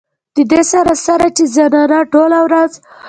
د دې سره سره چې زنانه ټوله ورځ